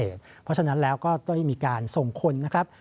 เพราะฉะนั้นแล้วก็ต้องมีการส่งคนนะครับ